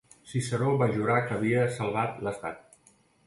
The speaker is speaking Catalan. Ciceró va jurar que havia salvat l'Estat.